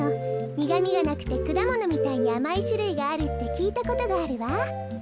にがみがなくてくだものみたいにあまいしゅるいがあるってきいたことがあるわ。